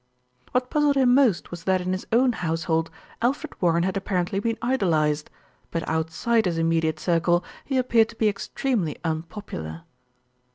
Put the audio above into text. What puzzled him most was that in his own house hold Alfred Warren had apparently been idolised; but outside his immediate circle he appeared to be ex tremely unpopular.